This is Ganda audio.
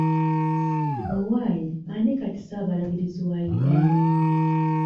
Owaaye ani kati ssaabalabirizi wa Uganda?